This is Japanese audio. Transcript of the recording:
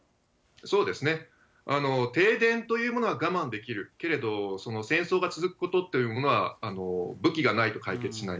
そうですね、停電というものは我慢できるけれど戦争が続くことというのは武器がないと解決しない。